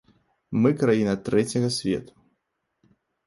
Мы краіна трэцяга свету!